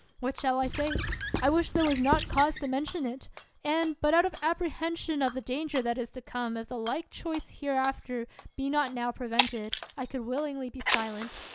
What shall I say ? I wish there were not cause to mention it; and, but out of apprehension of the danger that is to come if the like choice here after be not now prevented, I could willingly be silent.